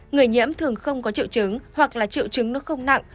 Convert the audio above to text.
người nhiễm thường không có triệu chứng hoặc là triệu chứng nó không nặng